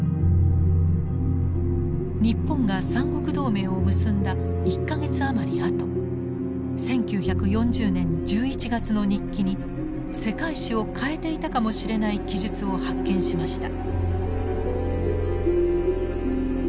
日本が三国同盟を結んだ１か月余りあと１９４０年１１月の日記に世界史を変えていたかもしれない記述を発見しました。